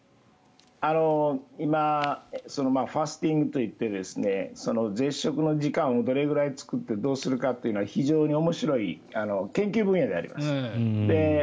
今ファスティングといって絶食の時間をどれくらい作ってどうするかというのは非常に面白い研究分野ではあります。